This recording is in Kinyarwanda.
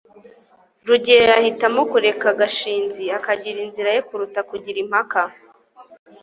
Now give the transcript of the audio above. rugeyo yahitamo kureka gashinzi akagira inzira ye kuruta kugira impaka